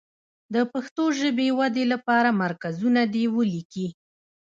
د پښتو ژبې ودې لپاره مرکزونه دې ولیکي.